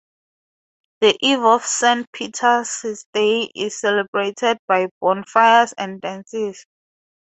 The Eve of St. Peter's Day is celebrated by bonfires and dances.